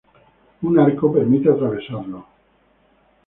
Un arco permite atravesarlo.